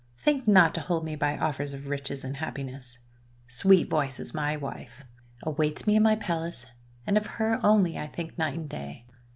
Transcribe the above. Think not to hold me by offers of riches and happiness! Sweet Voice, my wife, awaits me in my palace, and of her only I think night and day!